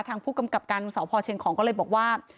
ทางผู้กำกับการสพเชียงของก็เลยบอกว่า